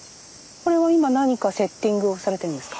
これは今何かセッティングをされてるんですか？